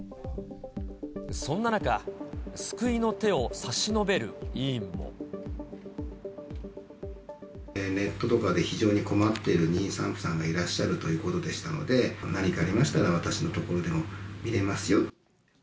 そんな中、ネットとかで非常に困っている妊産婦さんがいらっしゃるということでしたので、何かありましたら、私のところでも診れますよと。